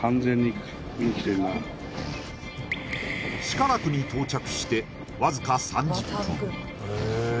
シカラクに到着してわずか３０分